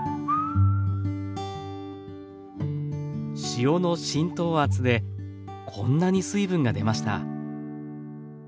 塩の浸透圧でこんなに水分が出ました。